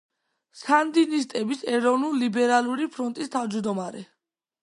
სანდინისტების ეროვნულ-ლიბერალური ფრონტის თავმჯდომარე.